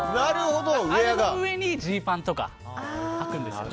あれの上にジーパンとかはくんですよ。